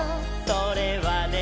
「それはね」